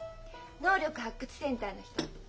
能力発掘センターの人。